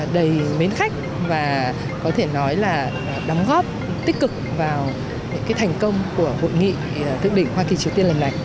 đầy mến khách và có thể nói là đóng góp tích cực vào thành công của hội nghị thượng đỉnh hoa kỳ triều tiên lần này